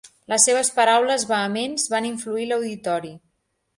Les seves paraules vehements van influir l'auditori.